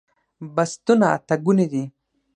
بستونه اته ګوني دي